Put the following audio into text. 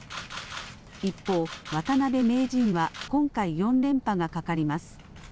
一方、渡辺名人は今回４連覇がかかります。